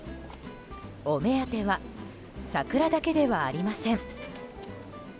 お目当ては桜だけではありません。